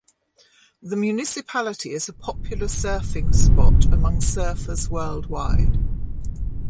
The municipality is a popular surfing spot among surfers worldwide.